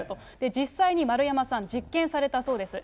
実際に丸山さん、実験されたそうです。